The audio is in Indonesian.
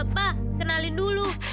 pa kenalin dulu